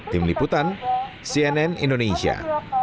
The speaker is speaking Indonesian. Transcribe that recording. tim liputan cnn indonesia